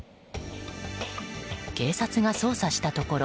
警察が捜査したところ